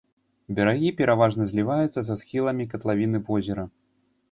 Берагі пераважна зліваюцца са схіламі катлавіны возера.